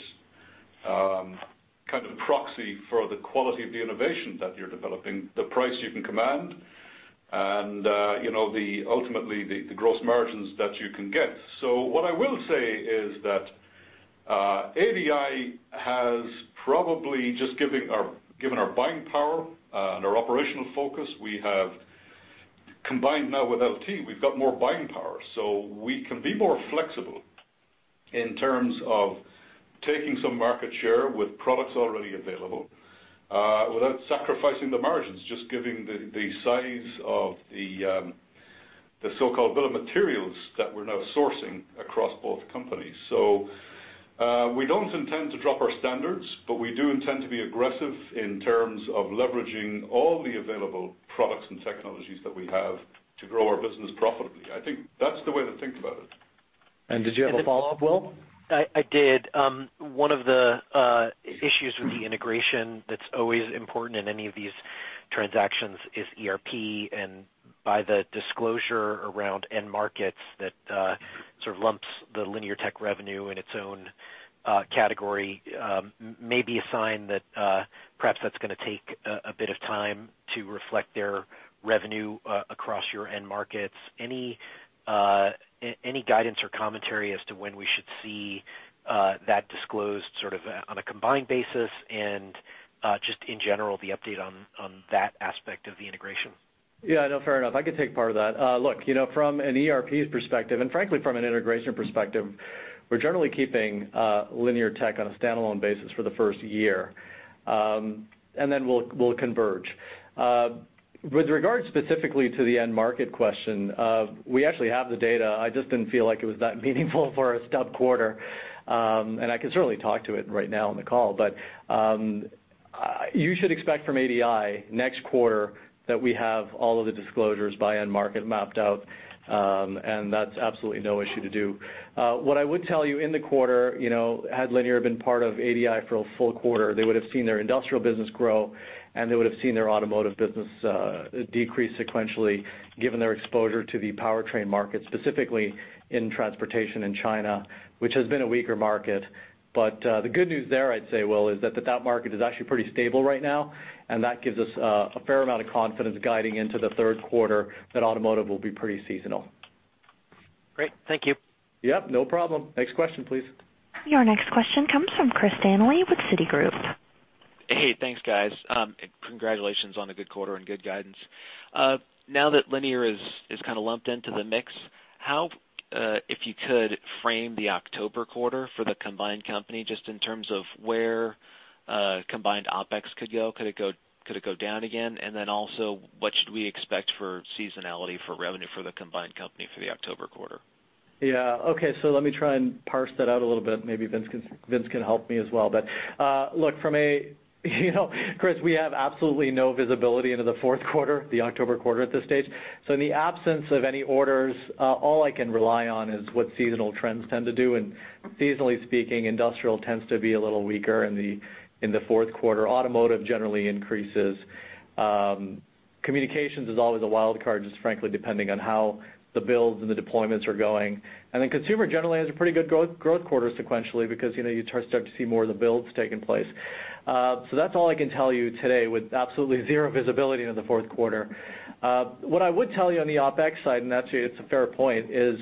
kind of proxy for the quality of the innovation that you're developing, the price you can command, and ultimately the gross margins that you can get. What I will say is that ADI has probably just given our buying power and our operational focus, we have combined now with LT, we've got more buying power. We can be more flexible in terms of taking some market share with products already available without sacrificing the margins, just given the size of the so-called bill of materials that we're now sourcing across both companies. We don't intend to drop our standards, but we do intend to be aggressive in terms of leveraging all the available products and technologies that we have to grow our business profitably. I think that's the way to think about it. Did you have a follow-up, Will? I did. One of the issues with the integration that's always important in any of these transactions is ERP and by the disclosure around end markets that sort of lumps the Linear Tech revenue in its own category may be a sign that perhaps that's going to take a bit of time to reflect their revenue across your end markets. Any guidance or commentary as to when we should see that disclosed sort of on a combined basis and just in general, the update on that aspect of the integration? Yeah. No, fair enough. I can take part of that. Look, from an ERP perspective, and frankly, from an integration perspective, we're generally keeping Linear Tech on a standalone basis for the first year, and then we'll converge. With regard specifically to the end market question, we actually have the data. I just didn't feel like it was that meaningful for a stub quarter, and I can certainly talk to it right now on the call. You should expect from ADI next quarter that we have all of the disclosures by end market mapped out, and that's absolutely no issue to do. What I would tell you in the quarter, had Linear been part of ADI for a full quarter, they would have seen their industrial business grow, and they would have seen their automotive business decrease sequentially given their exposure to the powertrain market, specifically in transportation in China, which has been a weaker market. The good news there, I'd say, Will, is that market is actually pretty stable right now, and that gives us a fair amount of confidence guiding into the third quarter that automotive will be pretty seasonal. Great. Thank you. Yep, no problem. Next question, please. Your next question comes from Chris Danely with Citigroup. Hey, thanks guys. Congratulations on the good quarter and good guidance. Now that Linear is kind of lumped into the mix, if you could frame the October quarter for the combined company, just in terms of where combined OpEx could go. Could it go down again? What should we expect for seasonality for revenue for the combined company for the October quarter? Yeah. Okay. Let me try and parse that out a little bit. Maybe Vince can help me as well. Look, Chris, we have absolutely no visibility into the fourth quarter, the October quarter at this stage. In the absence of any orders, all I can rely on is what seasonal trends tend to do, and seasonally speaking, industrial tends to be a little weaker in the fourth quarter. Automotive generally increases. Communications is always a wild card, just frankly, depending on how the builds and the deployments are going. Consumer generally has a pretty good growth quarter sequentially because you start to see more of the builds taking place. That's all I can tell you today with absolutely zero visibility into the fourth quarter. What I would tell you on the OpEx side, and actually it's a fair point, is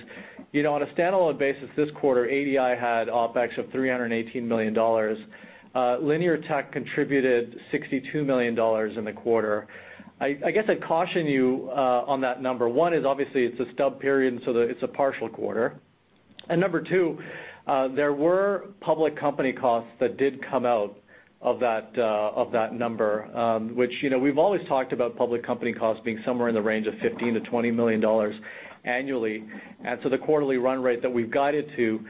on a standalone basis this quarter, ADI had OpEx of $318 million. Linear Tech contributed $62 million in the quarter. I guess I'd caution you on that number. One is obviously it's a stub period, it's a partial quarter. Number 2, there were public company costs that did come out of that number, which we've always talked about public company costs being somewhere in the range of $15 million-$20 million annually. The quarterly run rate that we've guided to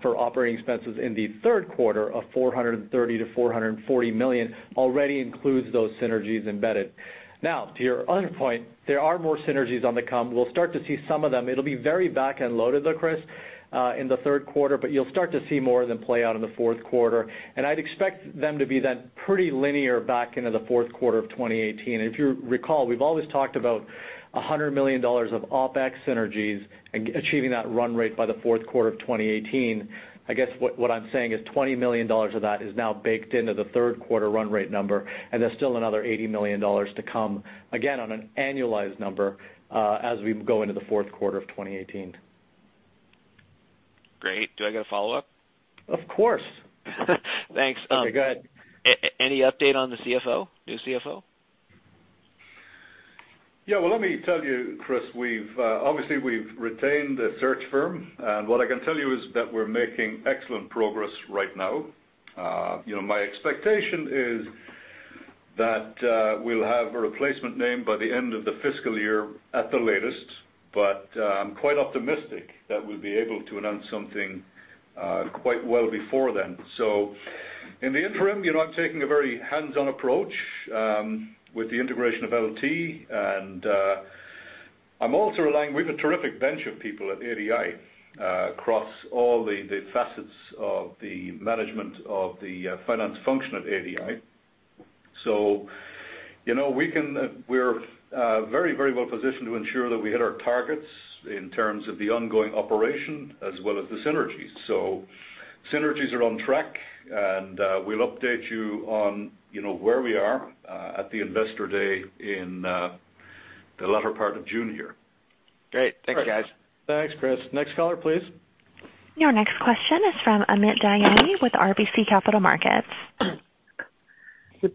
for operating expenses in the third quarter of $430 million-$440 million already includes those synergies embedded. Now, to your other point, there are more synergies on the come. We'll start to see some of them. It'll be very backend loaded though, Chris, in the third quarter, you'll start to see more of them play out in the fourth quarter. I'd expect them to be then pretty linear back into the fourth quarter of 2018. If you recall, we've always talked about $100 million of OpEx synergies and achieving that run rate by the fourth quarter of 2018. I guess what I'm saying is $20 million of that is now baked into the third quarter run rate number, there's still another $80 million to come, again, on an annualized number, as we go into the fourth quarter of 2018. Great. Do I get a follow-up? Of course. Thanks. Okay, go ahead. Any update on the new CFO? Yeah. Let me tell you, Chris, obviously we've retained a search firm, what I can tell you is that we're making excellent progress right now. My expectation is that we'll have a replacement name by the end of the fiscal year at the latest. I'm quite optimistic that we'll be able to announce something quite well before then. In the interim, I'm taking a very hands-on approach with the integration of LT, I'm also relying. We've a terrific bench of people at ADI across all the facets of the management of the finance function at ADI. We're very well positioned to ensure that we hit our targets in terms of the ongoing operation as well as the synergies. Synergies are on track, we'll update you on where we are at the Investor Day in the latter part of June here. Great. Thanks, guys. Thanks, Chris. Next caller, please. Your next question is from Amit Daryanani with RBC Capital Markets. Thanks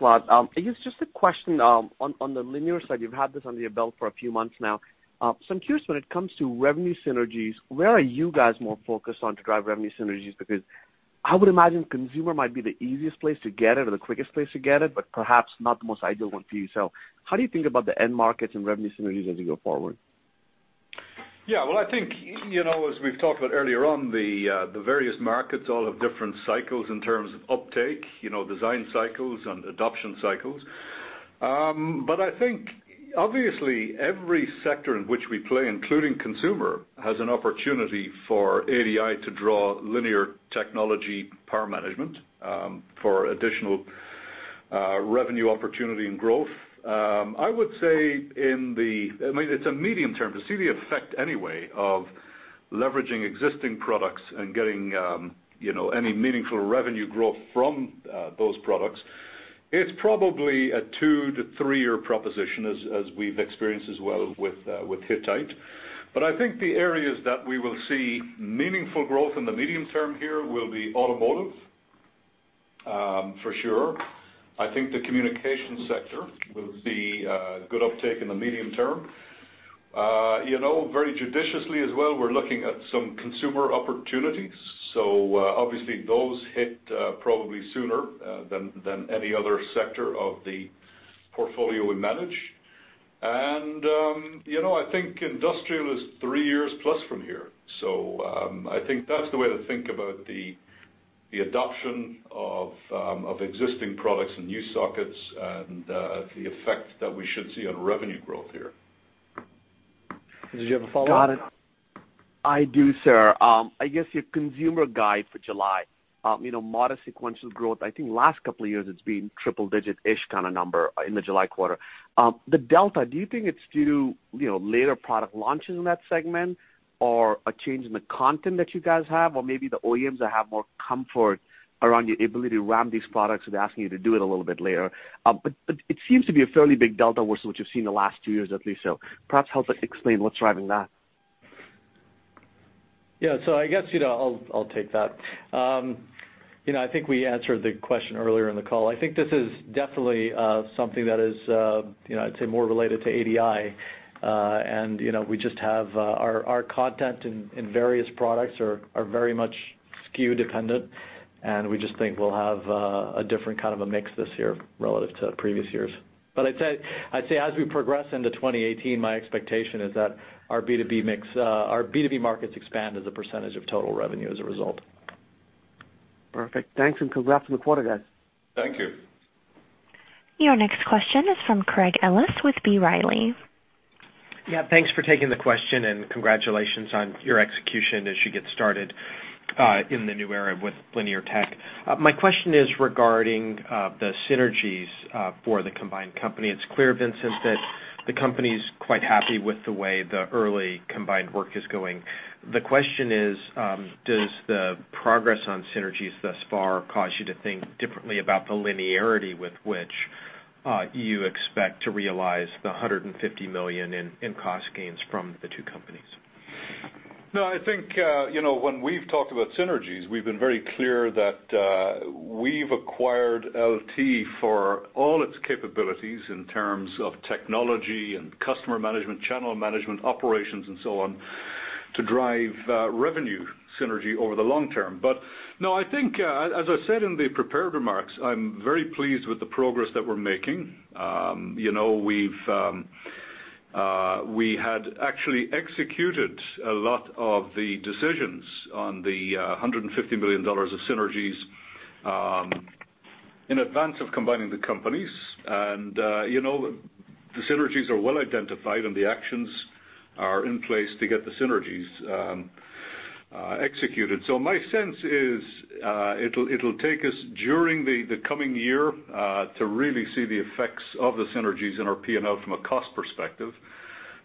a lot. I guess just a question on the Linear side, you've had this under your belt for a few months now. I'm curious, when it comes to revenue synergies, where are you guys more focused on to drive revenue synergies? I would imagine consumer might be the easiest place to get it or the quickest place to get it, but perhaps not the most ideal one for you. How do you think about the end markets and revenue synergies as you go forward? I think, as we've talked about earlier on, the various markets all have different cycles in terms of uptake, design cycles and adoption cycles. I think obviously every sector in which we play, including consumer, has an opportunity for ADI to draw Linear Technology power management for additional revenue opportunity and growth. I would say it's a medium term to see the effect anyway of leveraging existing products and getting any meaningful revenue growth from those products. It's probably a two to three-year proposition as we've experienced as well with Hittite. I think the areas that we will see meaningful growth in the medium term here will be automotive, for sure. I think the communication sector will see good uptake in the medium term. Very judiciously as well, we're looking at some consumer opportunities, obviously those hit probably sooner than any other sector of the portfolio we manage. I think industrial is three years plus from here. I think that's the way to think about the adoption of existing products and new sockets and the effect that we should see on revenue growth here. Did you have a follow-up? Got it. I do, sir. I guess your consumer guide for July, modest sequential growth. I think last couple of years it's been triple digit-ish kind of number in the July quarter. The delta, do you think it's due to later product launches in that segment or a change in the content that you guys have? Or maybe the OEMs have more comfort around your ability to ramp these products, so they're asking you to do it a little bit later. It seems to be a fairly big delta versus what you've seen in the last two years at least. Perhaps help us explain what's driving that. Yeah. I guess I'll take that. I think we answered the question earlier in the call. I think this is definitely something that is I'd say more related to ADI. Our content in various products are very much SKU dependent, and we just think we'll have a different kind of a mix this year relative to previous years. I'd say as we progress into 2018, my expectation is that our B2B markets expand as a percentage of total revenue as a result. Perfect. Thanks and congrats on the quarter, guys. Thank you. Your next question is from Craig Ellis with B. Riley. Yeah. Thanks for taking the question, and congratulations on your execution as you get started in the new era with Linear Tech. My question is regarding the synergies for the combined company. It's clear, Vincent, that the company's quite happy with the way the early combined work is going. The question is, does the progress on synergies thus far cause you to think differently about the linearity with which you expect to realize the $150 million in cost gains from the two companies? I think when we've talked about synergies, we've been very clear that we've acquired LT for all its capabilities in terms of technology and customer management, channel management, operations, and so on. To drive revenue synergy over the long term. I think, as I said in the prepared remarks, I'm very pleased with the progress that we're making. We had actually executed a lot of the decisions on the $150 million of synergies in advance of combining the companies. The synergies are well identified, and the actions are in place to get the synergies executed. My sense is, it'll take us during the coming year to really see the effects of the synergies in our P&L from a cost perspective.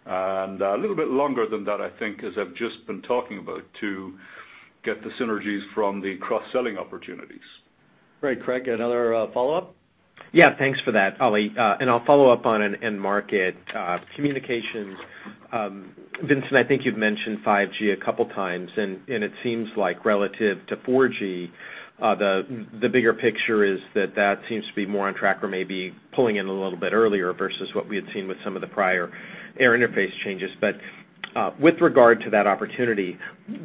A little bit longer than that, I think, as I've just been talking about, to get the synergies from the cross-selling opportunities. Great. Craig, another follow-up? Yeah, thanks for that, Ali. I'll follow up on end market communications. Vincent, I think you've mentioned 5G a couple of times, and it seems like relative to 4G, the bigger picture is that that seems to be more on track or maybe pulling in a little bit earlier versus what we had seen with some of the prior air interface changes. With regard to that opportunity,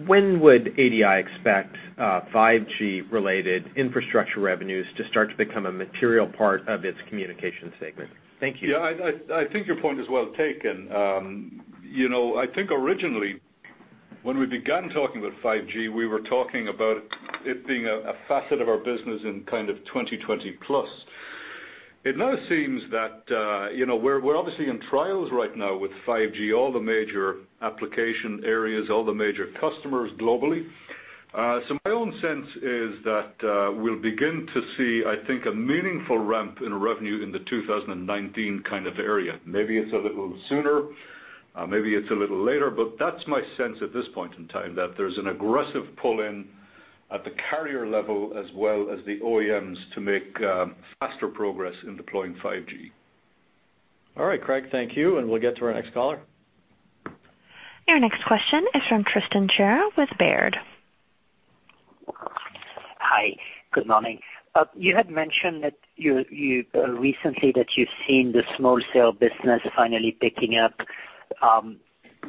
when would ADI expect 5G-related infrastructure revenues to start to become a material part of its communication segment? Thank you. Yeah, I think your point is well taken. I think originally, when we began talking about 5G, we were talking about it being a facet of our business in kind of 2020 plus. It now seems that we're obviously in trials right now with 5G, all the major application areas, all the major customers globally. My own sense is that we'll begin to see, I think, a meaningful ramp in revenue in the 2019 kind of area. Maybe it's a little sooner, maybe it's a little later, but that's my sense at this point in time, that there's an aggressive pull-in at the carrier level as well as the OEMs to make faster progress in deploying 5G. All right, Craig, thank you, and we'll get to our next caller. Your next question is from Tristan Gerra with Baird. Hi, good morning. You had mentioned that recently that you've seen the small cell business finally picking up.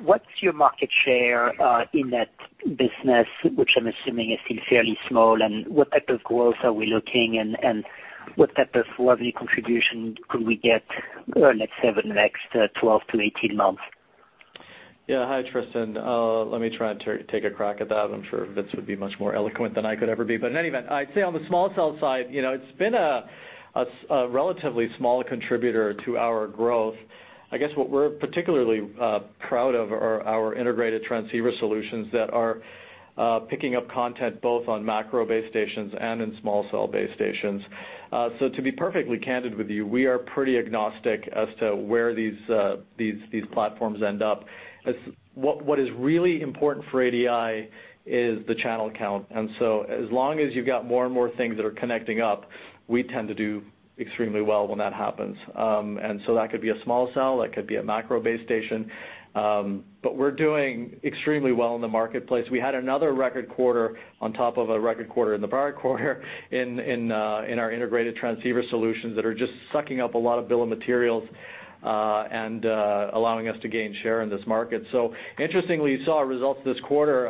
What's your market share in that business, which I'm assuming is still fairly small, and what type of growth are we looking, and what type of revenue contribution could we get, let's say, the next 12-18 months? Yeah. Hi, Tristan. Let me try and take a crack at that. I'm sure Vince would be much more eloquent than I could ever be. In any event, I'd say on the small cell side, it's been a relatively small contributor to our growth. I guess what we're particularly proud of are our integrated transceiver solutions that are picking up content both on macro base stations and in small cell base stations. To be perfectly candid with you, we are pretty agnostic as to where these platforms end up. What is really important for ADI is the channel count, as long as you've got more and more things that are connecting up, we tend to do extremely well when that happens. That could be a small cell, that could be a macro base station. We're doing extremely well in the marketplace. We had another record quarter on top of a record quarter in the prior quarter in our integrated transceiver solutions that are just sucking up a lot of bill of materials, and allowing us to gain share in this market. Interestingly, you saw our results this quarter.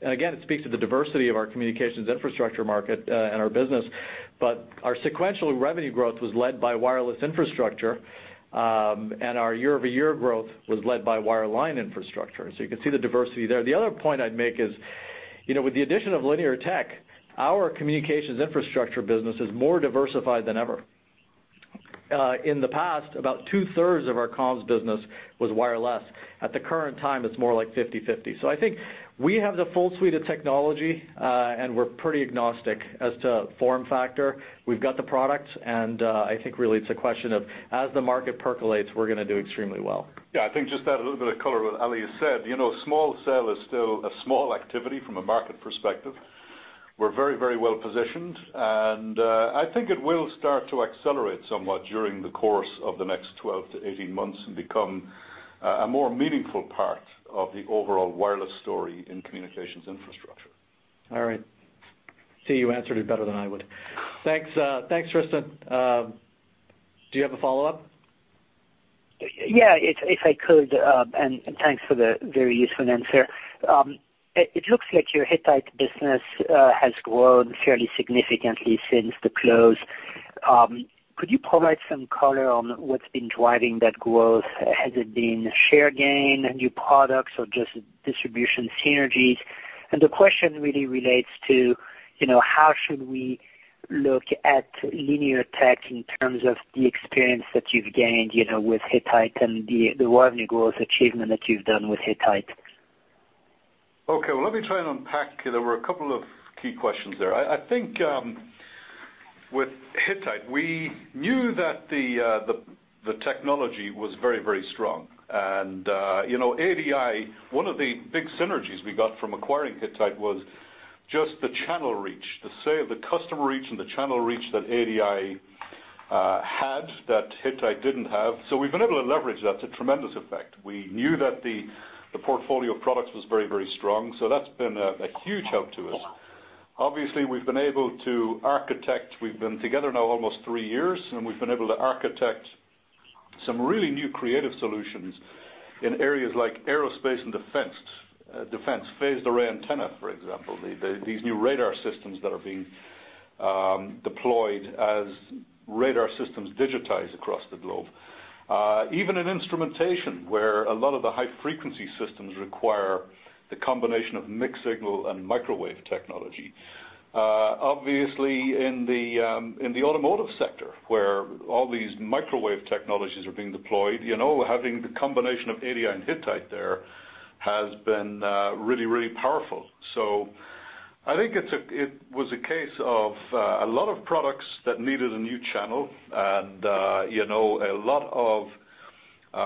Again, it speaks to the diversity of our communications infrastructure market and our business. Our sequential revenue growth was led by wireless infrastructure, and our year-over-year growth was led by wireline infrastructure, you can see the diversity there. The other point I'd make is, with the addition of Linear Tech, our communications infrastructure business is more diversified than ever. In the past, about two-thirds of our comms business was wireless. At the current time, it's more like 50/50. I think we have the full suite of technology, and we're pretty agnostic as to form factor. We've got the products, I think really it's a question of as the market percolates, we're going to do extremely well. I think just to add a little bit of color to what Ali Husain has said. Small cell is still a small activity from a market perspective. We're very well-positioned, and I think it will start to accelerate somewhat during the course of the next 12 to 18 months and become a more meaningful part of the overall wireless story in communications infrastructure. All right. See, you answered it better than I would. Thanks, Tristan Gerra. Do you have a follow-up? If I could, thanks for the very useful answer. It looks like your Hittite business has grown fairly significantly since the close. Could you provide some color on what's been driving that growth? Has it been share gain, new products, or just distribution synergies? The question really relates to how should we look at Linear Tech in terms of the experience that you've gained with Hittite and the revenue growth achievement that you've done with Hittite. Okay, let me try and unpack. There were a couple of key questions there. I think with Hittite, we knew that the technology was very strong. ADI, one of the big synergies we got from acquiring Hittite was just the channel reach, the customer reach and the channel reach that ADI had that Hittite didn't have. We've been able to leverage that to tremendous effect. We knew that the portfolio of products was very strong, that's been a huge help to us. Obviously, we've been able to architect. We've been together now almost three years, we've been able to architect some really new creative solutions in areas like aerospace and defense. Phased array antenna, for example, these new radar systems that are being deployed as radar systems digitize across the globe. Even in instrumentation, where a lot of the high-frequency systems require the combination of mixed signal and microwave technology. Obviously in the automotive sector, where all these microwave technologies are being deployed, having the combination of ADI and Hittite there has been really powerful. I think it was a case of a lot of products that needed a new channel and a lot of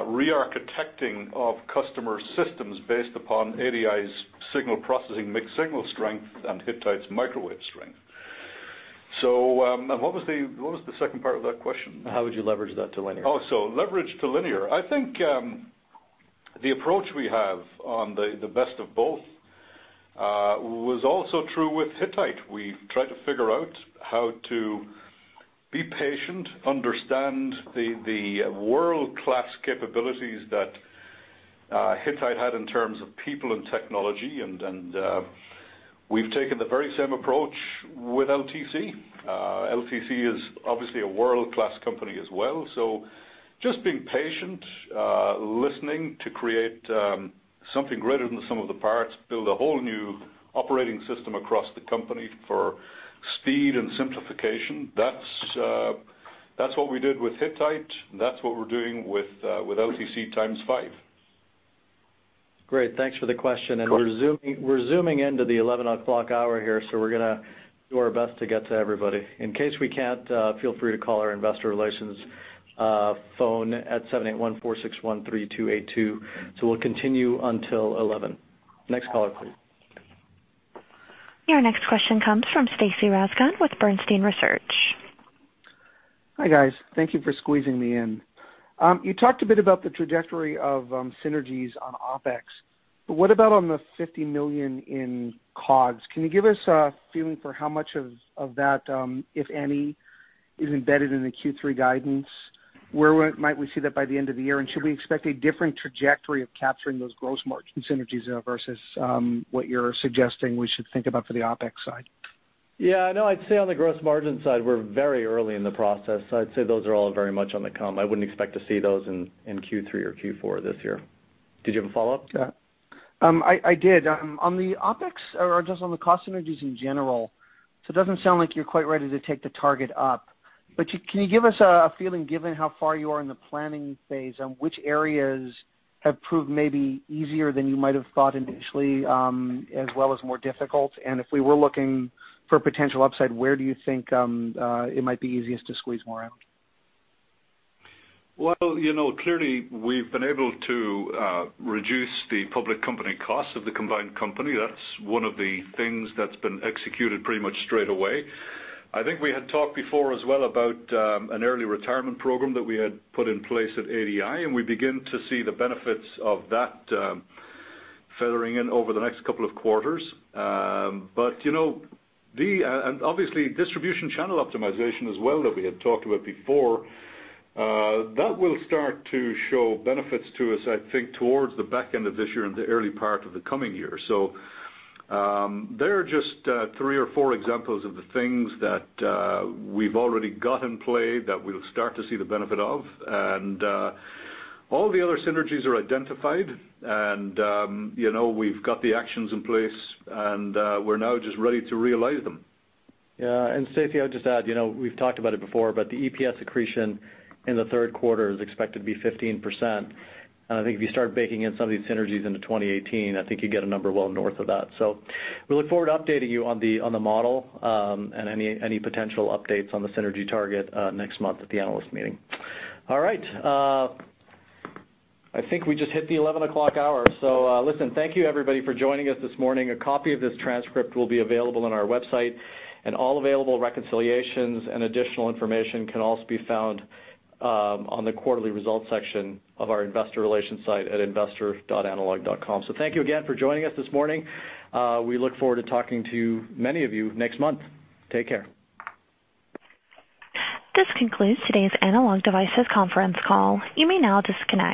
re-architecting of customer systems based upon ADI's signal processing, mixed signal strength, and Hittite's microwave strength. What was the second part of that question? How would you leverage that to Linear? Leverage to Linear. I think the approach we have on the best of both was also true with Hittite. We've tried to figure out how to be patient, understand the world-class capabilities that Hittite had in terms of people and technology, and we've taken the very same approach with LTC. LTC is obviously a world-class company as well. Just being patient, listening to create something greater than the sum of the parts, build a whole new operating system across the company for speed and simplification. That's what we did with Hittite, and that's what we're doing with LTC times five. Great. Thanks for the question. Of course. We're zooming into the 11:00 hour here, we're going to do our best to get to everybody. In case we can't, feel free to call our investor relations phone at 781-461-3282. We'll continue until 11:00. Next caller, please. Your next question comes from Stacy Rasgon with Bernstein Research. Hi, guys. Thank you for squeezing me in. You talked a bit about the trajectory of synergies on OpEx, what about on the $50 million in COGS? Can you give us a feeling for how much of that, if any, is embedded in the Q3 guidance? Where might we see that by the end of the year? Should we expect a different trajectory of capturing those gross margin synergies there versus what you're suggesting we should think about for the OpEx side? Yeah, no. I'd say on the gross margin side, we're very early in the process, so I'd say those are all very much on the come. I wouldn't expect to see those in Q3 or Q4 of this year. Did you have a follow-up? Yeah. I did. On the OpEx, or just on the cost synergies in general, it doesn't sound like you're quite ready to take the target up, can you give us a feeling, given how far you are in the planning phase, on which areas have proved maybe easier than you might have thought initially, as well as more difficult? If we were looking for potential upside, where do you think it might be easiest to squeeze more out? Well, clearly we've been able to reduce the public company costs of the combined company. That's one of the things that's been executed pretty much straight away. I think we had talked before as well about an early retirement program that we had put in place at ADI, we begin to see the benefits of that feathering in over the next couple of quarters. Obviously, distribution channel optimization as well, that we had talked about before, that will start to show benefits to us, I think, towards the back end of this year and the early part of the coming year. There are just three or four examples of the things that we've already got in play that we'll start to see the benefit of. All the other synergies are identified, and we've got the actions in place, and we're now just ready to realize them. Yeah. Stacy, I would just add, we've talked about it before, the EPS accretion in the third quarter is expected to be 15%. I think if you start baking in some of these synergies into 2018, I think you get a number well north of that. We look forward to updating you on the model, and any potential updates on the synergy target next month at the analyst meeting. All right. I think we just hit the 11 o'clock hour. Listen, thank you everybody for joining us this morning. A copy of this transcript will be available on our website, and all available reconciliations and additional information can also be found on the quarterly results section of our investor relations site at investor.analog.com. Thank you again for joining us this morning. We look forward to talking to many of you next month. Take care. This concludes today's Analog Devices conference call. You may now disconnect.